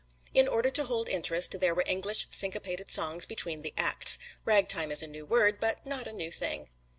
In order to hold interest, there were English syncopated songs between the acts ragtime is a new word, but not a new thing.